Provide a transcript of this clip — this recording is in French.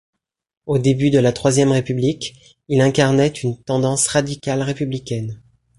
Au début de la Troisième République, il incarnait une tendance radicale-républicaine.